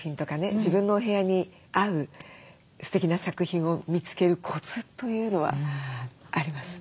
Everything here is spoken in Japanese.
自分のお部屋に合うすてきな作品を見つけるコツというのはあります？